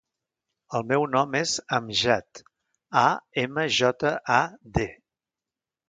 El meu nom és Amjad: a, ema, jota, a, de.